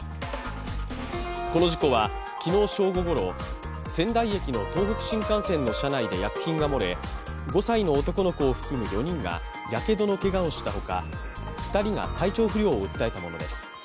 この事故は、昨日正午ごろ仙台駅の東北新幹線の車内で薬品が漏れ、５歳の男の子を含む４人がやけどのけがをしたほか２人が体調管理を訴えたものです。